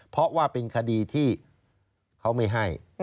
เพราะว่าเป็นคดีที่เขาไม่ให้